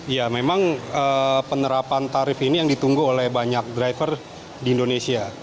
ya memang penerapan tarif ini yang ditunggu oleh banyak driver di indonesia